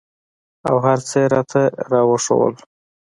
او هرڅه يې راته راوښوول.